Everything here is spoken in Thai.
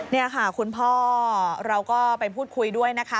นี่ค่ะคุณพ่อเราก็ไปพูดคุยด้วยนะคะ